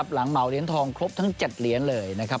เหมาเหรียญทองครบทั้ง๗เหรียญเลยนะครับ